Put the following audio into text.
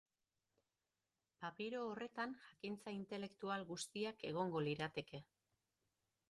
Papiro horretan jakintza intelektual guztiak egongo lirateke.